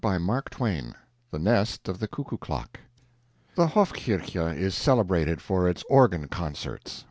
CHAPTER XXVI [The Nest of the Cuckoo clock] The Hofkirche is celebrated for its organ concerts.